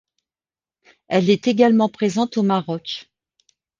Elle est également présente au Maroc.